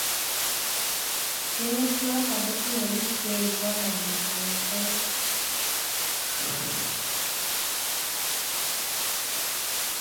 Tumeit notok ko tinye piik che eshoiy namet ab asoya